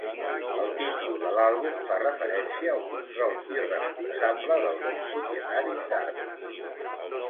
El títol de l'àlbum fa referència al control irresponsable d'alguns propietaris d'armes.